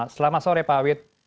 selamat sore pak wid